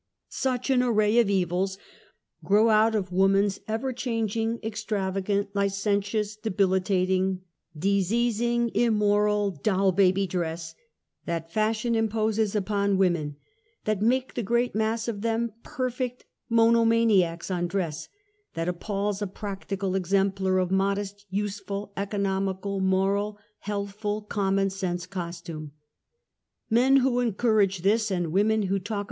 Such an array of evils grow out of woman's ever changing, extravagant, licentious, debilitating, dis easing, immoral doll baby dress, that fashion imposes upon women, that make the great mass of them per fect monomaniacs on dress, that appalls a practical exampler of modest, useful, economical, moral, health ful, common sense costume. Men who encourage this and women who talk